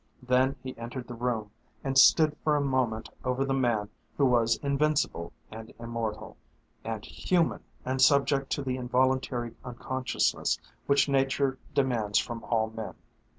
Then he entered the room and stood for a moment over the man who was invincible and immortal and human. Human, and subject to the involuntary unconsciousness which nature demands from all men.